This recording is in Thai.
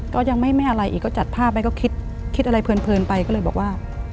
ก็ยังไม่อะไรอีกก็จัดภาพไปก็คิดอะไรเพลินไปก็เลยบอกว่า